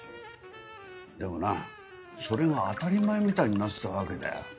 でもなそれが当たり前みたいになってたわけだよ。